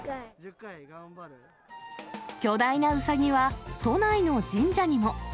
巨大なうさぎは、都内の神社にも。